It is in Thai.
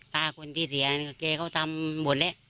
ตาคนที่เสียแกเขาทำหมดแล้ว